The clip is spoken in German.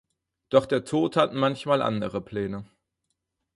Doch der Tod hat manchmal andere Pläne.